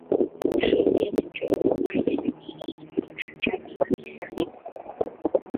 是电子角色扮演游戏系列女神战记的第三作。